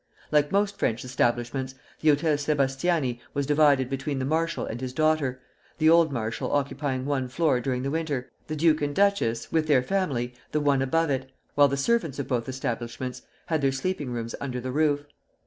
Like most French establishments, the Hôtel Sébastiani was divided between the marshal and his daughter, the old marshal occupying one floor during the winter, the duke and duchess, with their family, the one above it, while the servants of both establishments had their sleeping rooms under the roof.